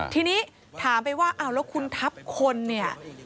ทีนี้ถามไปว่าอ้าวแล้วคุณทัพคนเนี่ย